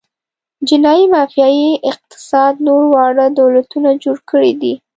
جنايي مافیايي اقتصاد نور واړه دولتونه جوړ کړي دي.